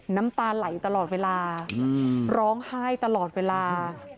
น้ำตาไหลตลอดเวลาร้องไห้ตลอดเวลา